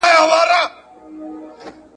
زه به تل د پوهي په لټه کي یم.